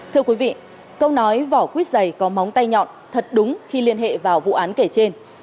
thưa quý vị câu nói vỏ quýt dày có móng tay nhọn thật đúng khi liên hệ vào vụ án kể trên